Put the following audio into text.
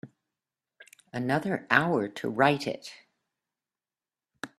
Another hour to write it.